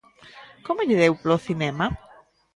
Como lle deu polo cinema?